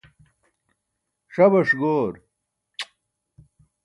ṣabaṣ goor